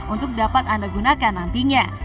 untuk dapat anda gunakan nantinya